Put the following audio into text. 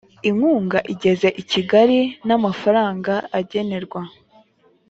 inkunga igeze i kigali n amafaranga agenerwa